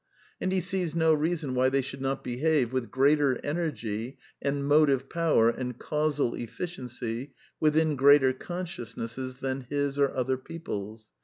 And he sees no reason why they should not behave with greater energy and motive power and causal efficiency within greater consciousnesses than his or other people's.